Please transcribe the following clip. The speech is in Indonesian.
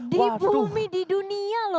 di bumi di dunia loh